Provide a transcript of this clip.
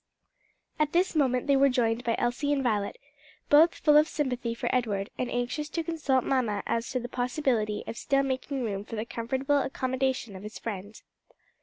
At this moment they were joined by Elsie and Violet, both full of sympathy for Edward, and anxious to consult mamma as to the possibility of still making room for the comfortable accommodation of his friend.